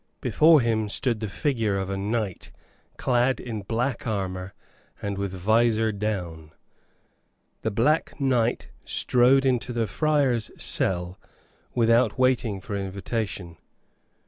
Before him stood the figure of a knight, clad in black armor and with vizor down. The Black Knight strode into the friar's cell without waiting for invitation.